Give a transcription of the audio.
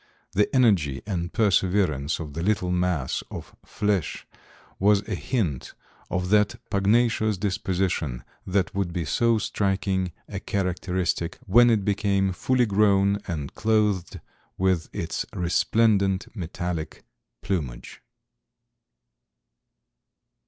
The energy and perseverance of the little mass of flesh was a hint of that pugnacious disposition that would be so striking a characteristic when it became fully grown and clothed with its resplendent metallic plumage.